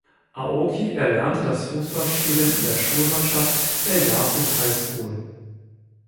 Aoki erlernte das Fußballspielen in der Schulmannschaft der Yasu High School.